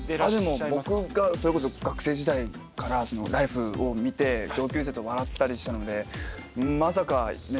でも僕がそれこそ学生時代から「ＬＩＦＥ！」を見て同級生と笑ってたりしたのでまさかね